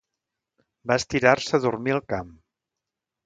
Va estirar-se a dormir al camp.